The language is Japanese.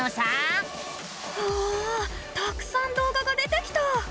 うわたくさん動画が出てきた！